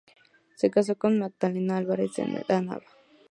Se casó con Magdalena Álvarez de la Nava.